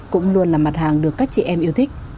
cũng luôn là mặt hàng được các chị em yêu thích